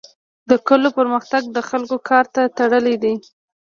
د کلو پرمختګ د خلکو کار ته تړلی دی.